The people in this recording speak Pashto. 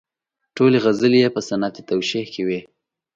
ټولې غزلې یې په صنعت توشیح کې وې.